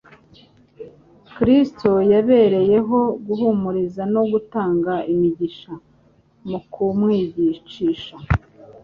Kristo yabereyeho guhumuriza no gutanga imigisha: mu kumwicisha,